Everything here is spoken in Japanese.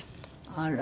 あら。